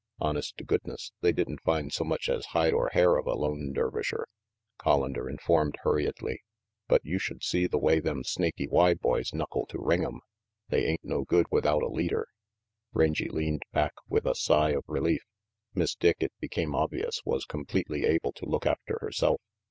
"Honest to goodness, they didn't find so much as hide or hair of a lone Dervisher," Collander informed hurriedly, "but you should see the way them Snaky Y boys knuckle to Ring'em. They ain't no good without a leader." Rangy leaned back with a sigh of relief. Miss Dick, it became obvious, was completely able to look after herself.